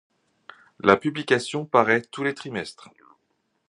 La publication paraît tous les trimestres.